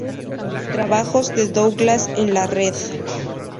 Trabajos de Douglass en la Red